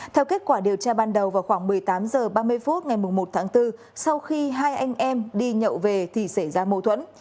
theo kết quả điều tra ban đầu vào khoảng một mươi tám h ba mươi phút ngày một tháng bốn sau khi hai anh em đi nhậu về thì xảy ra mâu thuẫn